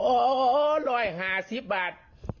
โอรอยหาซิบบาท